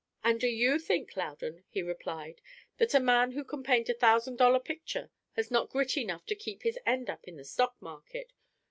"And do you think, Loudon," he replied, "that a man who can paint a thousand dollar picture has not grit enough to keep his end up in the stock market?